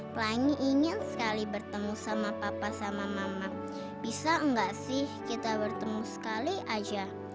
pelangi ingin sekali bertemu sama papa sama mama bisa enggak sih kita bertemu sekali aja